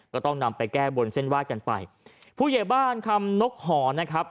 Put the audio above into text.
ก็ต้องนำไปแก้บนเส้นไหว้กันไปผู้ใหญ่บ้านคำนกหอนะครับ